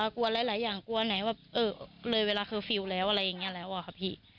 กลัวหลายอย่างกลัวไหนแบบเออเลยเวลาเคอร์ฟิลล์แล้วอะไรอย่างนี้แล้วอะค่ะพี่